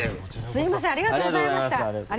すみませんありがとうございました！